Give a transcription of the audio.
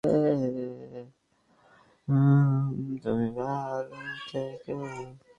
প্রচণ্ড গরমে একটু গলা ভেজানোর জন্য ছিল হিম হিম শরবতের ব্যবস্থা।